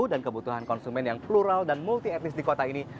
dan kebutuhan konsumen yang plural dan multi etnis di kota ini